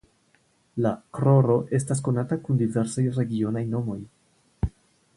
La "kroro" estas konata kun diversaj regionaj nomoj.